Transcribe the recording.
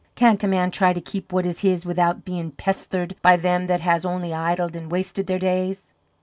Can't a man try to keep what is his without bein' pesthered by them that has only idled an' wasted their days?"